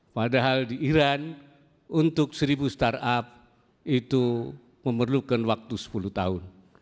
padahal di iran untuk seribu startup itu memerlukan waktu sepuluh tahun